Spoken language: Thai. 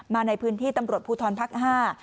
มาในพื้นที่ตำรวจภูทรภักดิ์ห้า